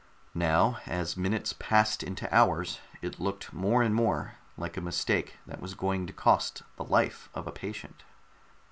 Now, as minutes passed into hours it looked more and more like a mistake that was going to cost the life of a patient.